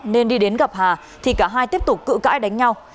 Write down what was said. nên đi đến gặp hà thì cả hai tiếp tục cự cãi đánh nhau